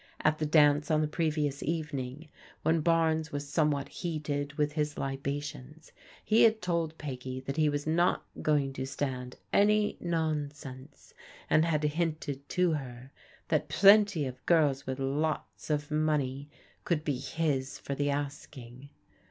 At the dance on the pre vious evening, when Barnes was somewhat heated with his libations, he had told Peggy that he was not going to stand any nonsense, and had hinted to her that plenty of girls with lots of money could be his for the asking.